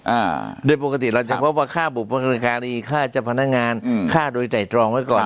อ่าโดยปกติเราจะเพราะว่าฆ่าบุปริการีฆ่าจับพนักงานฆ่าโดยใดตรองไว้ก่อน